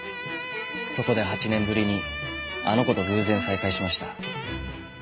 そこで８年ぶりにあの子と偶然再会しました。